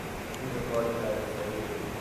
زیر بار قرض سنگین